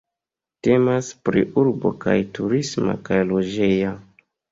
Temas pri urbo kaj turisma kaj loĝeja.